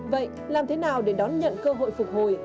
vậy làm thế nào để đón nhận cơ hội phục hồi